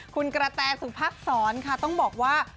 คุณกระแตสุพักษรค่ะต้องบอกว่า